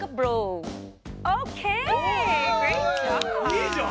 いいじゃん！